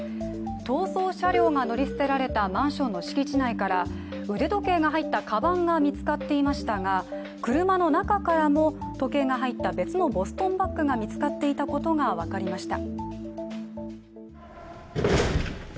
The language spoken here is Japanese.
逃走車両が乗り捨てられたマンションの敷地内から腕時計が入ったかばんが見つかっていましたが車の中からも時計が入った別のボストンバッグが見つかっていたことが分かりました。